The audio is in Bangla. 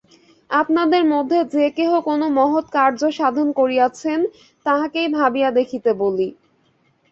আপনাদের মধ্যে যে-কেহ কোন মহৎ কার্য সাধন করিয়াছেন, তাঁহাকেই ভাবিয়া দেখিতে বলি।